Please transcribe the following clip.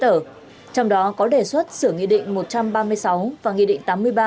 thủ tục giấy tờ trong đó có đề xuất sửa nghị định một trăm ba mươi sáu và nghị định tám mươi ba